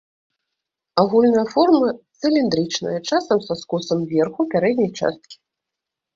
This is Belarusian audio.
Агульная форма цыліндрычная, часам са скосам верху пярэдняй часткі.